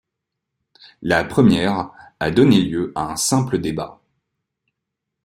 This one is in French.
La première a donné lieu à un simple débat.